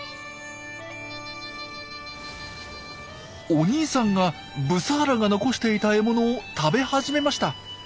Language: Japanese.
お兄さんがブサーラが残していた獲物を食べ始めました。